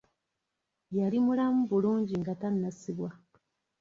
Yali mulamu bulungi nga tannasibwa.